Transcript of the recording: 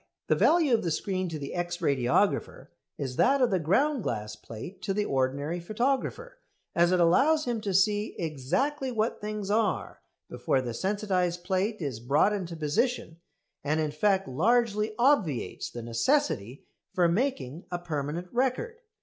The value of the screen to the X radiographer is that of the ground glass plate to the ordinary photographer, as it allows him to see exactly what things are before the sensitised plate is brought into position, and in fact largely obviates the necessity for making a permanent record.